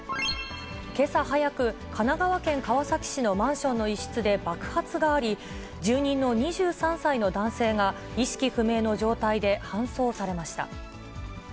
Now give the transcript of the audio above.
けさ早く、神奈川県川崎市のマンションの一室で爆発があり、住人の２３歳の男性が意識不明の状態で搬送されました。